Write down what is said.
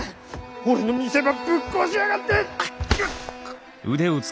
俺の見せ場ぶっ壊しやがって！